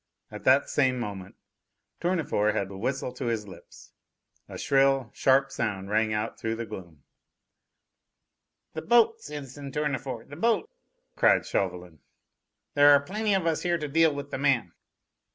At that same moment Tournefort had the whistle to his lips. A shrill, sharp sound rang out through the gloom. "The boat, citizen Tournefort, the boat!" cried Chauvelin. "There are plenty of us here to deal with the man."